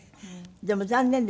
でも残念ですね。